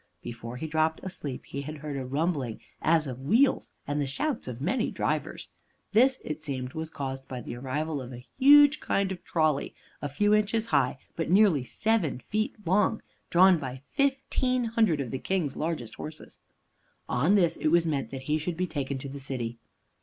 Before he dropped asleep, he had heard a rumbling as of wheels, and the shouts of many drivers. This, it seemed, was caused by the arrival of a huge kind of trolley, a few inches high, but nearly seven feet long, drawn by fifteen hundred of the King's largest horses. On this it was meant that he should be taken to the city.